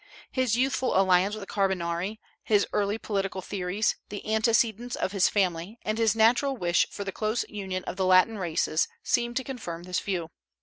His youthful alliance with the Carbonari, his early political theories, the antecedents of his family, and his natural wish for the close union of the Latin races seem to confirm this view.